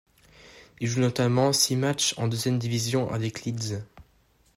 Il joue notamment six matchs en deuxième division avec Leeds.